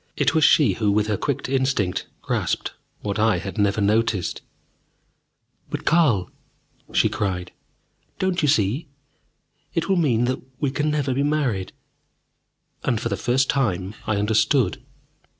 It was she who, with her quick instinct, grasped what I had never noticed. "But Carl!" she cried, "Don't you see? It will mean that we can never be married!" And, for the first time, I understood.